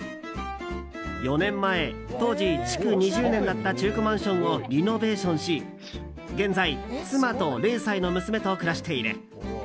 ４年前、当時築２０年だった中古マンションをリノベーションし現在、妻と０歳の娘と暮らしている。